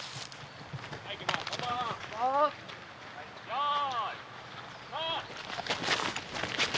よい。